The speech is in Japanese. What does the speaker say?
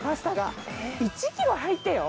１ｋｇ入ってよ。